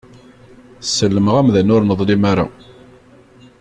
Sellmeɣ amdan ur neḍlim ara.